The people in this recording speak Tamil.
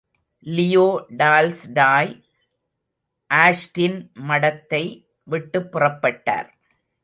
லியோ டால்ஸ்டாய், ஆஷ்டின் மடத்தை விட்டுப் புறப்பட்டார்!